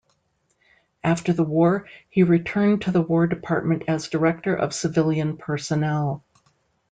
After the war, he returned to the War Department as director of civilian personnel.